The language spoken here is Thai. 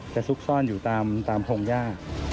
จะซุกซ่อนอยู่ตามพงศ์ย่า